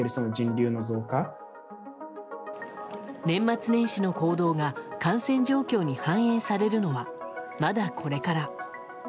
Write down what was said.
年末年始の行動が感染状況に反映されるのはまだこれから。